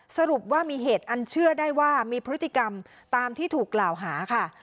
สรุปว่ามีเหตุอันเชื่อได้ว่ามีพฤติกรรมตามที่ถูกกล่าวหาค่ะ